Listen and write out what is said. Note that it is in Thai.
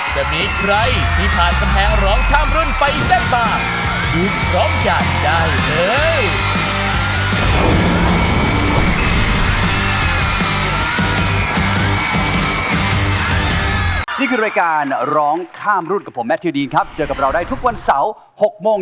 จะมีใครที่ผ่านแผงรองท่ามรุ่นไปแน่บ้าง